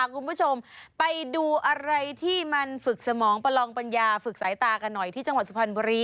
คุณผู้ชมไปดูอะไรที่มันฝึกสมองประลองปัญญาฝึกสายตากันหน่อยที่จังหวัดสุพรรณบุรี